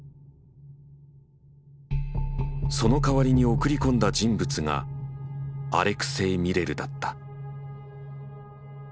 その代わりに送り込んだ人物がアレクセイ・ミレルだった。